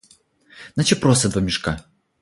Наче проса два мішки.